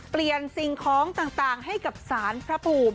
เปลี่ยนสิ่งของต่างให้กับศาลพระภูมิ